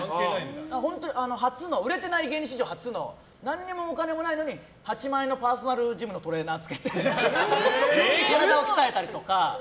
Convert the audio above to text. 本当に売れてない芸人史上初の何にもお金もないのに８万円のパーソナルジムのトレーナーつけて体を鍛えたりとか。